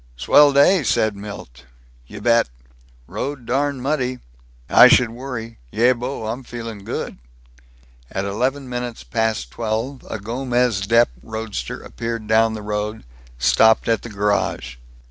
"Swell day!" said Milt. "Y' bet." "Road darn muddy." "I should worry. Yea, bo', I'm feelin' good!" At eleven minutes past twelve a Gomez Dep roadster appeared down the road, stopped at the garage.